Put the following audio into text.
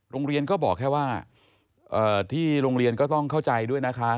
โรงเรียนก็บอกแค่ว่าที่โรงเรียนก็ต้องเข้าใจด้วยนะคะ